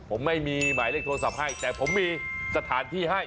ผมไม่มีหมายเลขโทรศัพท์ให้แต่ผมมีสถานที่ให้